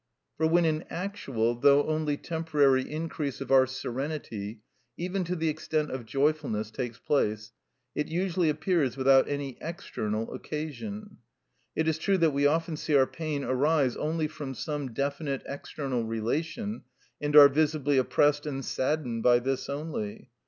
For when an actual, though only temporary, increase of our serenity, even to the extent of joyfulness, takes place, it usually appears without any external occasion. It is true that we often see our pain arise only from some definite external relation, and are visibly oppressed and saddened by this only.